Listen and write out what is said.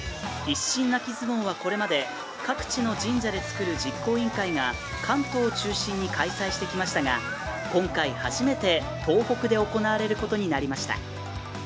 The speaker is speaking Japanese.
一心泣き相撲はこれまで各地の神社で作る実行委員会が関東を中心に開催してきましたが今回初めて東北で行われることになりました。